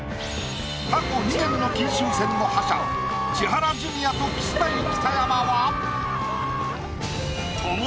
過去２年の金秋戦の覇者千原ジュニアとキスマイ北山は。